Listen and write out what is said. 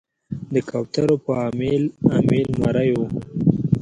د کوترو په امیل، امیل مریو